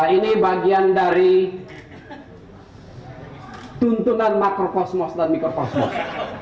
ini bagian dari tuntunan makrokosmos dan mikrokosmos